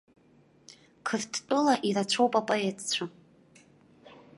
Қырҭтәыла ирацәоуп апоетцәа.